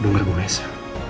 dengar gue sa